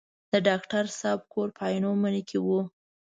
د ډاکټر صاحب کور په عینومېنه کې و.